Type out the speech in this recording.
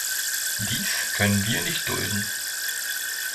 Dies können wir nicht dulden!